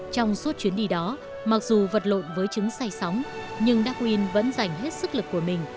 trong suốt chuyến đi đó mặc dù vật lộn với chứng say sóng nhưng do quyên vẫn dành hết sức lực của mình